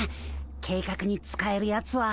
計画に使えるやつは。